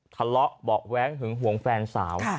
ทะเลาะเบาะแว้งหึงหวงแฟนสาว